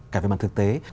cả về mặt thực tế